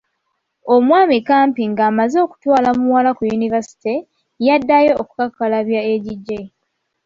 Omwami Kampi ng’amaze okutwala muwala ku yunivasite, yaddayo okukakkalabya egigye.